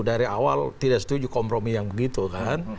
dari awal tidak setuju kompromi yang begitu kan